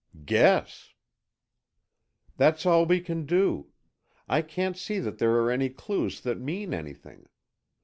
"Guess!" "That's all we can do. I can't see that there are any clues that mean anything.